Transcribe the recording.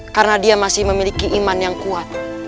karena dia masih memiliki iman yang kuat